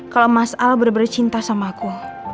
kalau mas al benar benar cinta sama aku